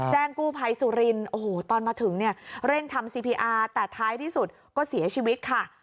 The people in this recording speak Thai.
แจ้งกู้ภัยสุรินทร์โอ้โหตอนมาถึงเนี่ยเร่งทำซีพีอาร์แต่ท้ายที่สุดก็เสียชีวิตค่ะ